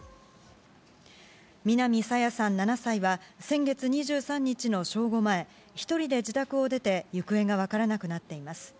南朝芽さん７歳は、先月２３日の正午前、１人で自宅を出て、行方が分からなくなっています。